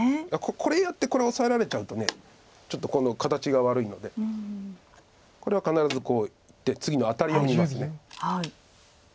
これやってこれオサえられちゃうとちょっとこの形が悪いのでこれは必ずこういって次のアタリを見ます。